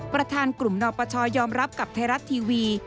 ประธานกลุ่มนปชยอมรับกับไทยรัฐทีวี